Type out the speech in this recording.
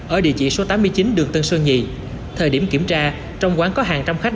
ở địa chỉ số tám mươi chín đường tân sơn nhì thời điểm kiểm tra trong quán có hàng trăm khách